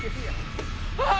あ！